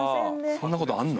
そんなことあんの？